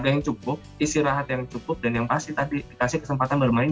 ada yang cukup istirahat yang cukup dan yang pasti tadi dikasih kesempatan bermain